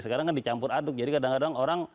sekarang kan dicampur aduk jadi kadang kadang orang